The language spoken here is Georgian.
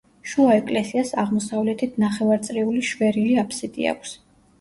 შუა ეკლესიას აღმოსავლეთით ნახევარწრიული შვერილი აფსიდი აქვს.